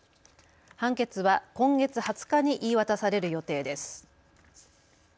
判決は今月２０日に言い渡される予定です。